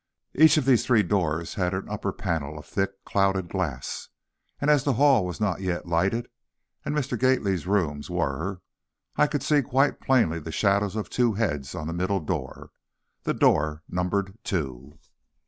Each of these three doors had an upper panel of thick, clouded glass, and, as the hall was not yet lighted and Mr. Gately's rooms were, I could see quite plainly the shadows of two heads on the middle door, the door numbered two.